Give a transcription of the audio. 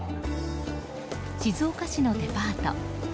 静岡市のデパート。